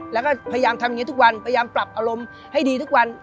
แล้วก็พยายามทำอย่างนี้ทุกวันพยายามปรับอารมณ์ให้ดีทุกวัน